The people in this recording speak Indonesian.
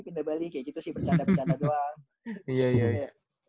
pindah bali kayak gitu sih